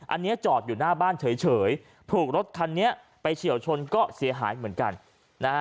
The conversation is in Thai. อันนี้จอดอยู่หน้าบ้านเฉยถูกรถคันนี้ไปเฉียวชนก็เสียหายเหมือนกันนะฮะ